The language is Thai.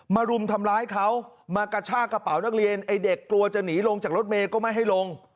รุมทำร้ายเขามากระชากระเป๋านักเรียนไอ้เด็กกลัวจะหนีลงจากรถเมย์ก็ไม่ให้ลง